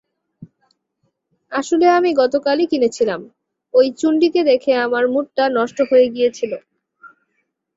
আসলে আমি গতকালই কিনেছিলাম, ওই চুন্ডিকে দেখে আমার মুডটা নষ্ট হয়ে গিয়েছিল।